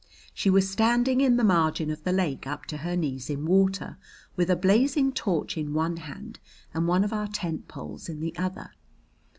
She was standing in the margin of the lake up to her knees in water, with a blazing torch in one hand and one of our tent poles in the other.